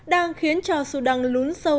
đang khiến cho sudan lún sâu